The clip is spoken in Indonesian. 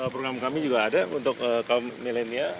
program kami juga ada untuk kaum milenial